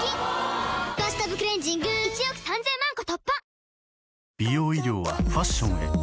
「バスタブクレンジング」１億３０００万個突破！